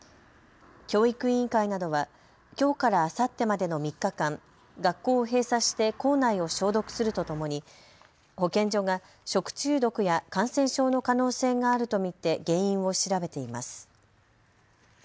教育委員会などはきょうからあさってまでの３日間学校を閉鎖して校内を消毒するとともに保健所が食中毒や感染症の可能性があると見て原因を調べています。